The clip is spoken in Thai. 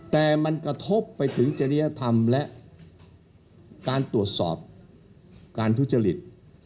แต่มันกระทบไปถึงจริยธรรมและการตรวจสอบการทุจริต